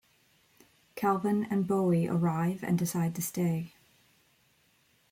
Calvin and Bowie arrive and decide to stay.